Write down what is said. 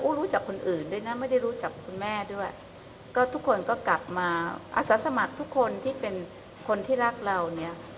รู้จักคนอื่นด้วยนะไม่ได้รู้จักคุณแม่ด้วยก็ทุกคนก็กลับมาอาสาสมัครทุกคนที่เป็นคนที่รักเราเนี่ย